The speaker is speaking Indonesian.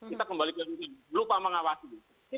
kita kembali ke dunia ini lupa mengawasi